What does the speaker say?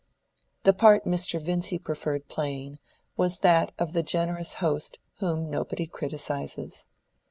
The part Mr. Vincy preferred playing was that of the generous host whom nobody criticises.